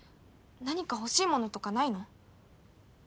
何か欲しいものとかないの？